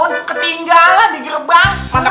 hei bantuin bantuin bantuin